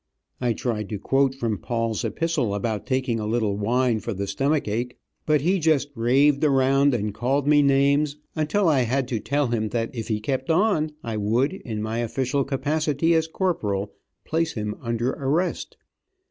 I tried to quote from Paul's epistle about taking a little wine for the stomach ache; but he just raved around and called me names, until I had to tell him that if he kept on I would, in my official capacity as corporal, place him under arrest.